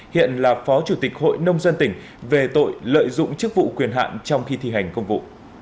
hiện là phó chủ tịch hội nông dân tỉnh về tội lợi dụng chức vụ quyền hạn trong khi thi hành công vụ